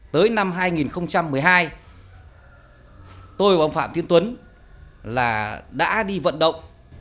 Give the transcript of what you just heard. tới năm hai nghìn một mươi hai tôi và ông phạm tiến tuấn đã đi vận động